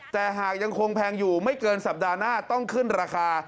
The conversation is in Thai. แต่หากยังคงแพงอยู่ไม่เกินสัปดาห์หน้าต้องขึ้นราคา